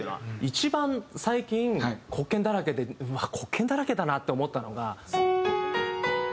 一番最近黒鍵だらけでうわっ黒鍵だらけだなって思ったのが。